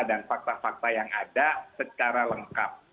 dan fakta fakta yang ada secara lengkap